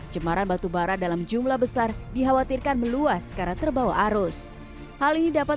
cemaran batubara dalam jumlah besar dikhawatirkan meluas karena terbawa arus hal ini dapat